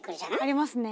ありますね。